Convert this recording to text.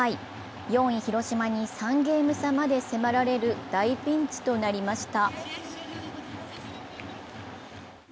４位・広島に３ゲーム差まで迫られる大ピンチとなりました。